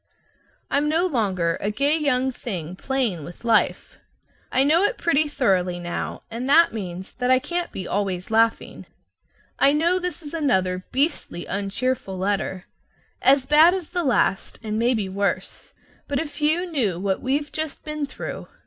I'm no longer a gay young thing playing with life. I know it pretty thoroughly now, and that means that I can't be always laughing. I know this is another beastly uncheerful letter, as bad as the last, and maybe worse, but if you knew what we've just been through!